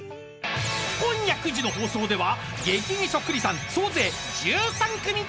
［今夜９時の放送では激似そっくりさん総勢１３組登場］